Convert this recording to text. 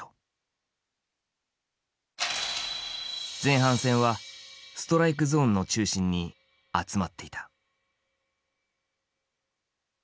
前半戦はストライクゾーンの中心に集まっていた。